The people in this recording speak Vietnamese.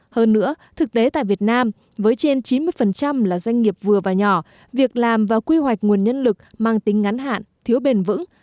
hơn nữa thực tế tại việt nam với trên chín mươi là doanh nghiệp vừa và nhỏ việc làm và quy hoạch nguồn nhân lực mang tính ngắn hạn thiếu bền vững